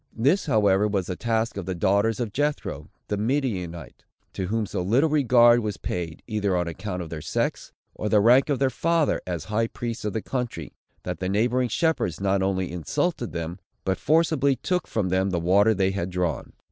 This, however, was the task of the daughters of Jethro the Midianite; to whom so little regard was paid, either on account of their sex, or the rank of their father, as high priest of the country, that the neighboring shepherds not only insulted them, but forcibly took from them the water they had drawn.